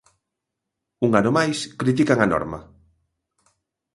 Un ano máis critican a norma.